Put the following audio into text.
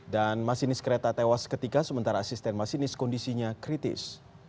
dan masinis kereta tewas ketika sementara asisten masinis kondisinya kritis